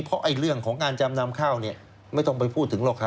เพราะเรื่องของการจำนำข้าวเนี่ยไม่ต้องไปพูดถึงหรอกค่ะ